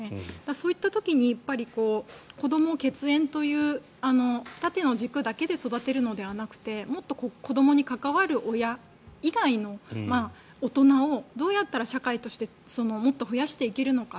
そういった時に、やっぱり子ども、血縁という縦の軸だけで育てるのではなくてもっと、子どもに関わる親以外の大人をどうやったら社会としてもっと増やしていけるのか。